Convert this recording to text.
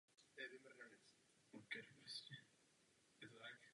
Nemyslitelné se stalo skutkem.